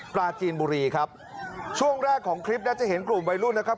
ปลาจีนบุรีครับช่วงแรกของคลิปน่าจะเห็นกลุ่มวัยรุ่นนะครับ